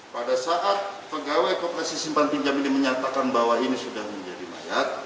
pada saat pegawai koperasi simpan pinjam ini menyatakan bahwa ini sudah menjadi mayat